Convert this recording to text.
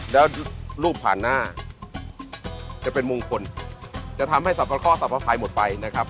แล้วรูปผ่านหน้าจะเป็นมงคลจะทำให้สรรพข้อสรรพใครหมดไปนะครับ